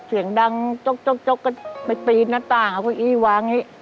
เสียงดังจ๊กก็ไปปีนหน้าต่างเอาเก้าอี้วางอย่างนี้